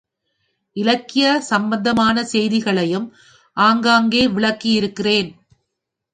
இலக்கிய சம்பந்தமான செய்திகளையும் அங்கங்கே விளக்கியிருக்கிறேன்.